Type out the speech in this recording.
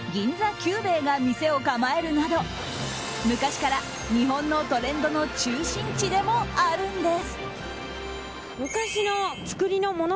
久兵衛が店を構えるなど昔から日本のトレンドの中心地でもあるんです。